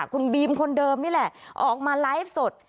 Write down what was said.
คุณบีมคนเดิมนี่แหละออกมาไลฟ์สด